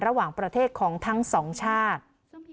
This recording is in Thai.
ระหว่างประเทศของทั้งสองชาติ